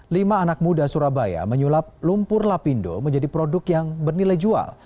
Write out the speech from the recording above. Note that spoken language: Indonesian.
lima anak muda surabaya menyulap lumpur lapindo menjadi produk yang bernilai jual